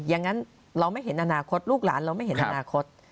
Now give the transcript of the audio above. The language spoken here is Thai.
อย่างนั้นเราไม่เห็นอนาคตลูกหลานเราไม่เห็นอนาคต